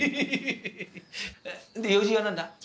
で用事は何だ？